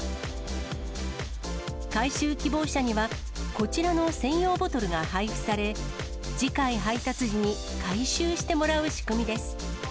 回収希望者には、こちらの専用ボトルが配布され、次回配達時に回収してもらう仕組みです。